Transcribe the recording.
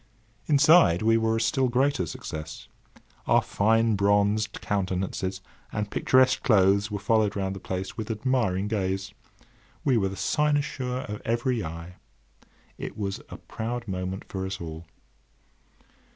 Inside we were a still greater success. Our fine bronzed countenances and picturesque clothes were followed round the place with admiring gaze. We were the cynosure of every eye. It was a proud moment for us all.